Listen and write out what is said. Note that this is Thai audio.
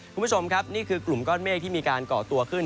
คุณผู้ชมครับนี่คือกลุ่มก้อนเมฆที่มีการก่อตัวขึ้น